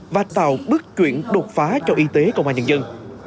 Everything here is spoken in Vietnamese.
và tạo bước chuyển đột phá cho y tế công an nhân dân